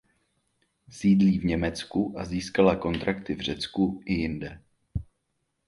Sídlí v Německu a získala kontrakty v Řecku i jinde.